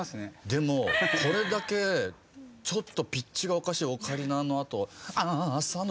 でもこれだけちょっとピッチがおかしいオカリナのあと「朝の」